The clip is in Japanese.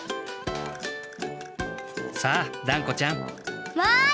さあダンコちゃん。わい！